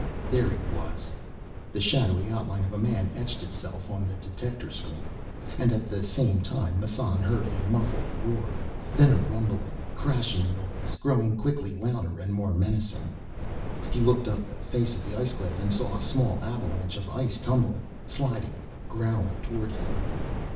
There he was! The shadowy outline of a man etched itself on the detector screen. And at the same time, Massan heard a muffled roar, then a rumbling, crashing noise, growing quickly louder and more menacing. He looked up the face of the ice cliff and saw a small avalanche of ice tumbling, sliding, growling toward him.